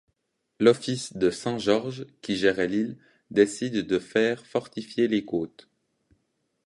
L'Office de Saint Georges qui gérait l'île, décide de faire fortifier les côtes.